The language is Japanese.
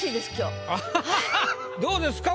どうですか？